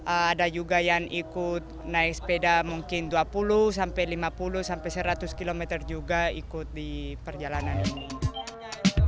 ada juga yang ikut naik sepeda mungkin dua puluh sampai lima puluh sampai seratus km juga ikut di perjalanan ini